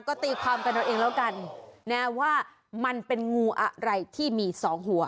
ก็ตีความกันเอาเองแล้วกันนะว่ามันเป็นงูอะไรที่มีสองหัว